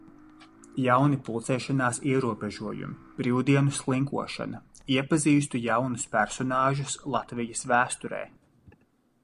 Jauni pulcēšanās ierobežojumi. Brīvdienu slinkošana. Iepazīstu jaunus personāžus Latvijas vēsturē.